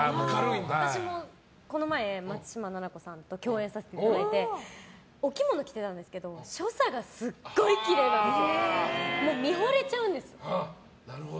私もこの前松嶋菜々子さん共演させていただいてお着物着てたんですけど所作がすごいきれいなんです。